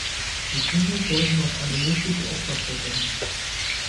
Die Funde deuten auf eine mögliche Opferstätte hin.